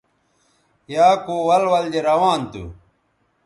یا کو ول ول دے روان تھی